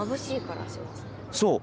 そう！